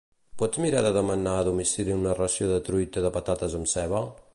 Pots mirar de demanar a domicili una ració de truita de patates amb ceba?